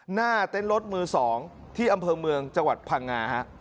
หน้าเต้นรถมือ๒ที่อำเภอเมืองจังหวัดพังงา